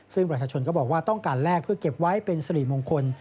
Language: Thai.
ซึ่งประชาชนก็บอกว่าต้องการแลกเพื่อเก็บไว้เป็นสิริมงคล